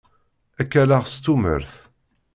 Ad k-alleɣ s tumert.